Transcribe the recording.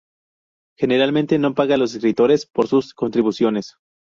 Generalmente no paga a los escritores por sus contribuciones.